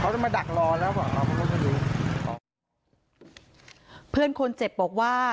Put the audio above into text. จะมาดักรอแล้วบอกเราก็จะดูเพื่อนคนเจ็บบอกว่า